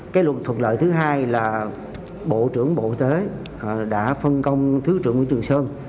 cái luật thuận lợi thứ hai là bộ trưởng bộ y tế đã phân công thứ trưởng nguyễn trường sơn